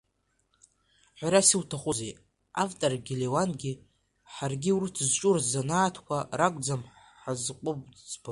Ҳәарас иаҭахузеи, авторгьы, Леуангьы, ҳаргьы урҭ зҿу рзанааҭқәа ракәӡам ҳазқәыӡбо.